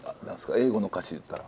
英語の歌詞いったら。